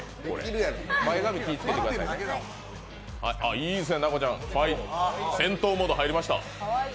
いいですね、奈子ちゃん、戦闘モード入りました。